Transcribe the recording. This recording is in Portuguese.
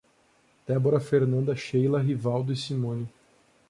Débora, Fernanda, Sheila, Rivaldo e Simone